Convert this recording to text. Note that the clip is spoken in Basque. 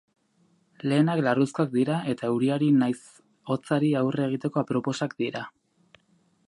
Lehenak larruzkoak dira eta euriari nahiz hotzari aurre egiteko aproposak dira.